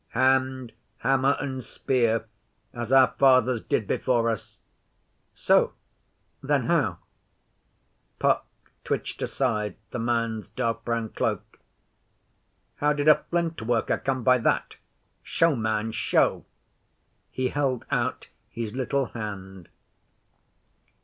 'Hand, hammer, and spear, as our fathers did before us.' 'So? Then how' Puck twitched aside the man's dark brown cloak 'how did a Flint worker come by that? Show, man, show!' He held out his little hand.